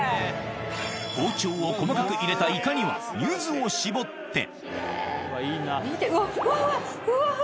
包丁を細かく入れたイカにはゆずを搾って見てうわっ。